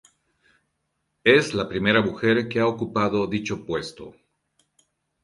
Es la primera mujer que ha ocupado dicho puesto.